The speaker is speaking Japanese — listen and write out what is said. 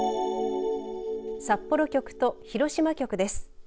札幌局と広島局です。